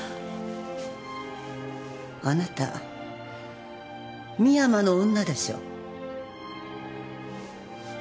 あなた深山の女でしょう？